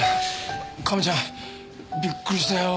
カメちゃんびっくりしたよー。